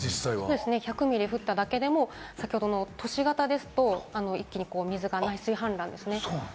１００ミリ降っただけでも都市型ですと一気に内水氾濫ですね。